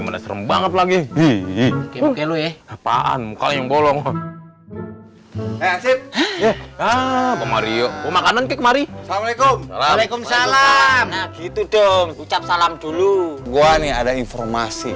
makanan kemari assalamualaikum waalaikumsalam gitu dong ucap salam dulu gua nih ada informasi